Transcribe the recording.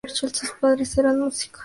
Sus padres eran músicos.